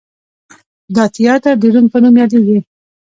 دا تیاتر د روم په نوم یادیږي.